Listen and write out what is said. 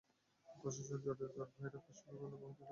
প্রশাসনিক জটিলতার ভয়ানক কাজ শুরু করতেই বহুদিন লেগে যাবে।